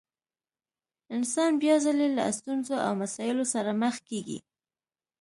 انسان بيا ځلې له ستونزو او مسايلو سره مخ کېږي.